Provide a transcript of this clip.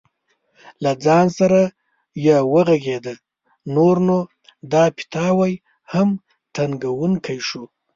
له ځان سره یې وغږېده: نور نو دا پیتاوی هم تنګوونکی شو.